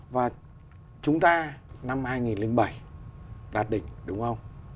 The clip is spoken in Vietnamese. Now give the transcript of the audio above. và chúng ta năm hai nghìn bảy đạt đỉnh đúng không